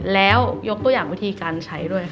แล้วยกตัวอย่างวิธีการใช้ด้วยค่ะ